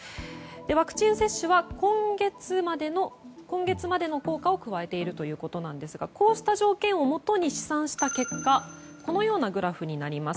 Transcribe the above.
ワクチン接種は今月までの効果を加えているということなんですがこうした条件をもとに試算した結果このようなグラフになります。